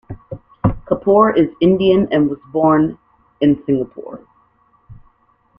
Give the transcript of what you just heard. Kapur is Indian and was born in Singapore.